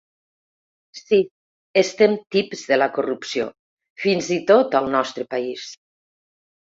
Sí, estem tips de la corrupció, fins i tot al nostre país.